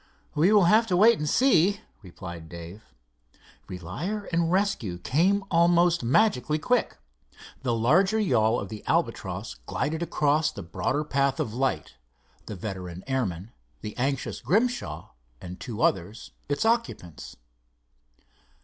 "We will have to wait and see," replied Dave. Relief and rescue came almost magically quick. The larger yawl of the Albatross glided across the broad path of light, the veteran airman, the anxious Grimshaw and two others its occupants.